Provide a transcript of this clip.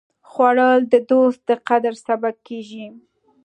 خوړل د دوست د قدر سبب کېږي